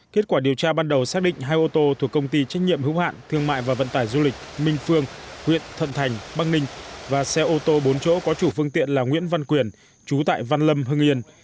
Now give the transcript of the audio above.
kết quả điều tra ban đầu xác định hai ô tô thuộc công ty trách nhiệm hữu hạn thương mại và vận tải du lịch minh phương huyện thuận thành băng ninh và xe ô tô bốn chỗ có chủ phương tiện là nguyễn văn quyền chú tại văn lâm hưng yên